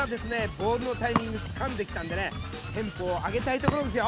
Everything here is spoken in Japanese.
ボールのタイミングつかんできたんでねテンポを上げたいところですよ